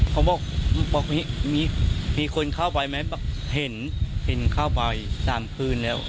เขาบอกมีคนเข้าไปไหมเห็นเห็นเข้าไป๓คืนแล้ว